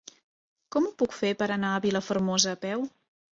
Com ho puc fer per anar a Vilafermosa a peu?